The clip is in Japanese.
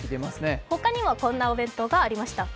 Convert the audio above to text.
他にもこんなお弁当がありました。